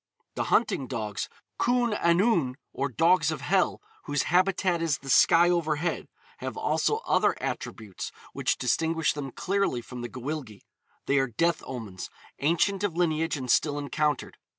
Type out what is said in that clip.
The hunting dogs, Cwn Annwn, or dogs of hell, whose habitat is the sky overhead, have also other attributes which distinguish them clearly from the Gwyllgi. They are death omens, ancient of lineage and still encountered.